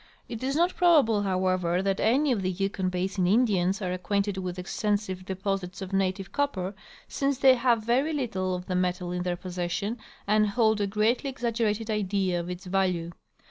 It is not probable, however, that an}^ of the Yukon basin Indians are acquainted with exten sive deposits of native copper, since they have very little of the metal in their possession and hold a greatly exaggerated idea of its value.